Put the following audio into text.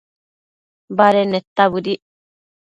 baded neta bëdic